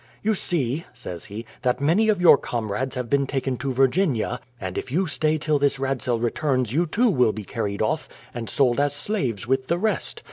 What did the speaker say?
"You see," says he, "that many of your comrades have been taken to Virginia; and if you stay till this Rasdell returns you too will be carried off and sold as slaves with the rest.